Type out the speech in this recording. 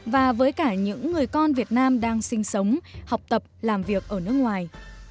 và với cả những người con việt nam đang sinh sống học tập làm việc ở nước ngoài